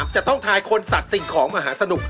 จะต้องทายคนสัตว์สิ่งของมหาสนุก